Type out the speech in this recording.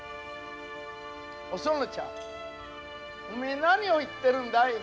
お園ちゃんおめえ何を言ってるんだい？